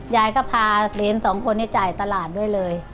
ยายก็พาเหรียญสองคนนี้จ่ายตลาดด้วยเลย